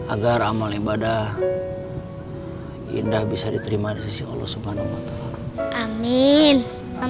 agar amal ibadah indah bisa diterima dari sisi allah subhanahu wa ta'ala